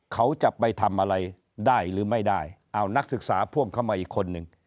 เขาจะไปทำอะไรได้หรือไม่ได้อ้าวนักศึกษาพ่วงเข้ามาอีกคนนึง